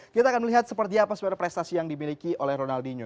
kita akan melihat seperti apa sebenarnya prestasi yang dimiliki oleh ronaldinho